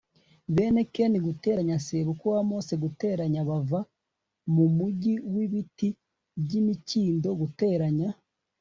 bene keni,+ sebukwe wa mose,+ bava mu mugi w'ibiti by'imikindo+